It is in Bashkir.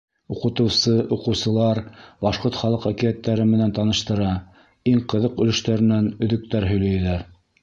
Уҡытыусы, уҡыусылар башҡорт халыҡ әкиәттәре менән таныштыра, иң ҡыҙыҡ өлөштәренән өҙөктәр һөйләйҙәр.